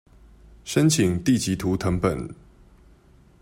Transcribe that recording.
申請地籍圖謄本